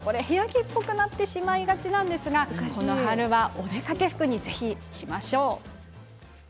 ともすると部屋着っぽくなってしまいがちですがこの春はお出かけ着にぜひしましょう。